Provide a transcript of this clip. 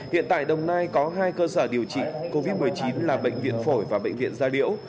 hiện tại đồng nai có hai cơ sở điều trị covid một mươi chín là bệnh viện phổi và bệnh viện gia liễu